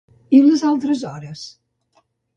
I les altres d'hores?